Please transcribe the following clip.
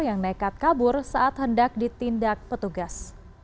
yang nekat kabur saat hendak ditindak petugas